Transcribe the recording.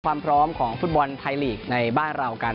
ความพร้อมของฟุตบอลไทยลีกในบ้านเรากัน